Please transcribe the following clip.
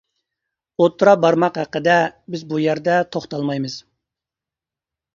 ئوتتۇرا بارماق ھەققىدە بىز بۇ يەردە توختالمايمىز.